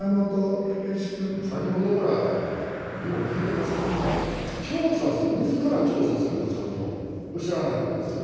先ほどから、議論聞いてますけどね、調査する、みずから調査するとちゃんとおっしゃらないわけですよ。